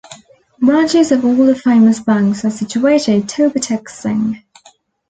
Branches of all the famous banks are situated Toba Tek Singh.